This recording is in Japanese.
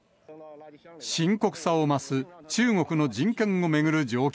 深刻さを増す中国の人権を巡る状況。